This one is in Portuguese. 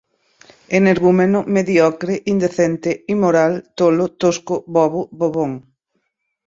Energúmeno, medíocre, indecente, imoral, tolo, tosco, bobo, bobão